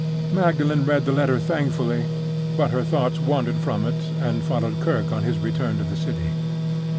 Magdalen read the letter thankfully, but her thoughts wandered from it, and followed Kirke on his return to the City.